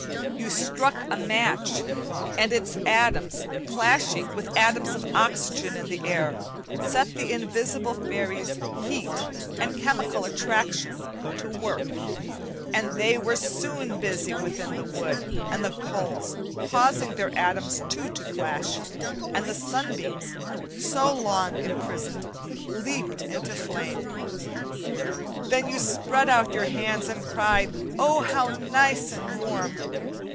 You struck a match, and its atoms clashing with atoms of oxygen in the air, set the invisible fairies "heat" and "chemical attraction" to work, and they were soon busy within the wood and the coals causing their atoms too to clash; and the sunbeams, so long imprisoned, leapt into flame. Then you spread out your hands and cried, "Oh, how nice and warm!"